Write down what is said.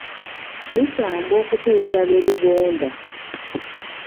Lisambwa okutuusa lwe ligonda.